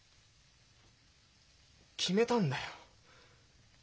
決めたんだよ。